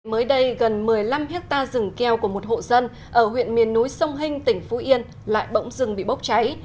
mới đây gần một mươi năm hectare rừng keo của một hộ dân ở huyện miền núi sông hinh tỉnh phú yên lại bỗng rừng bị bốc cháy